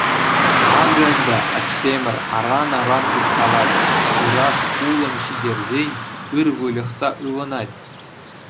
Акӑ ӗнтӗ, ачсемӗр, аран-аран уткалать: ыраш улӑм ҫитерсен, ыр выльӑх та ывӑнать.